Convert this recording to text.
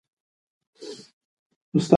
سیلانیان باید لارښود ولرئ.